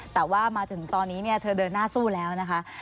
แต่ว่ามาถึงตอนนี้เธอเดินหน้าสู้แล้วนะคะ